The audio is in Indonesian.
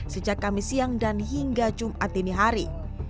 sejak kamis siang dan hingga jumat ini hari